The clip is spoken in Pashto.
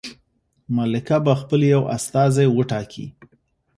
ملکه به خپل یو استازی وټاکي.